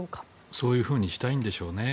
そういうふうにしたいんでしょうね。